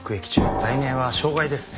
罪名は傷害ですね。